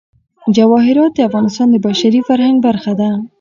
جواهرات د افغانستان د بشري فرهنګ برخه ده.